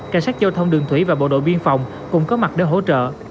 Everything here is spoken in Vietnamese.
cảnh sát giao thông đường thủy và bộ đội biên phòng cũng có mặt để hỗ trợ